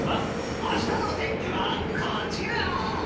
明日の天気はこちら。